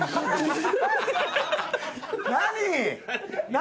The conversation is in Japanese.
何？